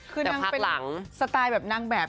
แต่พักหลังคือนางเป็นสไตล์แบบนางแบบ